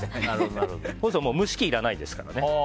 そうすると蒸し器いらないですからね。